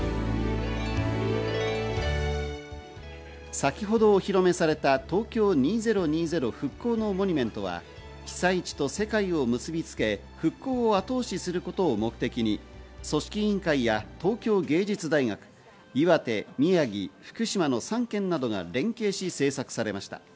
先ほどお披露目された東京２０２０復興のモニュメントは被災地と世界を結びつけ復興を後押しすることを目的に組織委員会や東京藝術大学、岩手、宮城、福島の３県などが連携し制作されました。